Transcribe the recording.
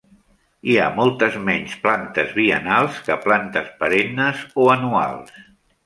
Hi ha moltes menys plantes biennals que plantes perennes o anuals.